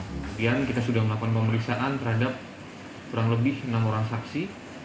kemudian kita sudah melakukan pemeriksaan terhadap kurang lebih enam orang saksi